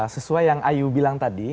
sesuai yang ayu bilang tadi